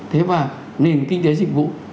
thế và nền kinh tế dịch vụ